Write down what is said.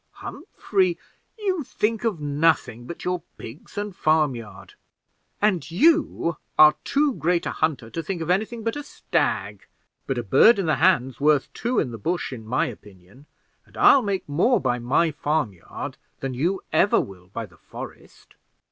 "Humphrey, you think of nothing but your pigs and farmyard." "And you are too great a hunter to think of any thing but a stag; but a bird in the hand is worth two in the bush, in my opinion; and I'll make more by my farmyard than you ever will by the forest."